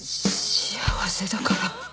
幸せだから。